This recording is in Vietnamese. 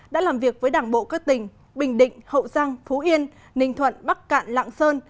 đã làm việc với đảng bộ các tỉnh bình định hậu giang phú yên ninh thuận bắc cạn lạng sơn